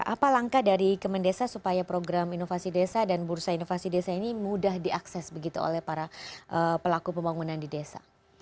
apa langkah dari kemendesa supaya program inovasi desa dan bursa inovasi desa ini mudah diakses begitu oleh para pelaku pembangunan di desa